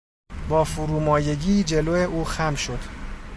با فرومایگی جلو او خم شد.